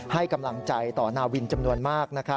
ให้กำลังใจต่อนาวินจำนวนมาก